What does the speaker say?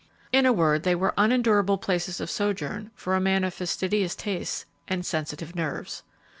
In a word, they were unendurable places of sojourn for a man of fastidious tastes and sensitive nerves.